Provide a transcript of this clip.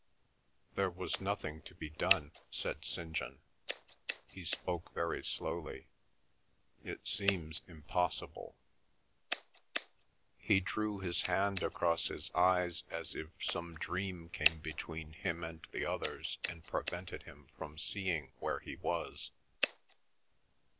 "There was nothing to be done," said St. John. He spoke very slowly. "It seems impossible—" He drew his hand across his eyes as if some dream came between him and the others and prevented him from seeing where he was.